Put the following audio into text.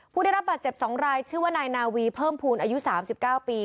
ผู้ได้รับบาดเจ็บ๒รายชื่อว่านายนาวีเพิ่มภูมิอายุ๓๙ปี